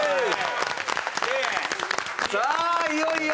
さあいよいよ。